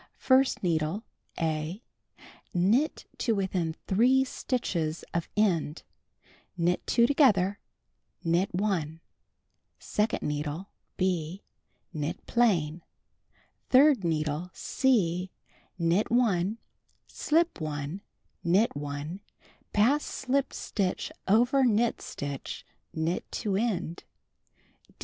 1st needle — (A) Knit to within 3 stitches of end, knit 2 together, knit 1. 2d needle — (B) Knit plain. 3d needle — (C) Knit 1, slip 1, knit 1, pass slipped stitch over knit stitch, knit to end.